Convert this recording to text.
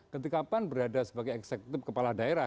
ketika pan berada sebagai eksekutif kepala daerah